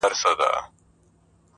وژني بېګناه انسان ګوره چي لا څه کیږي؛